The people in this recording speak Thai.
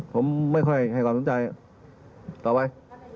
ผมไม่ค่อยให้ความสนใจต่อไป